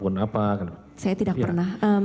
saya tidak pernah